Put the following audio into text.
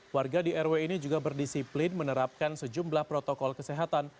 warga di rw ini juga berdisiplin menerapkan sejumlah protokol kesehatan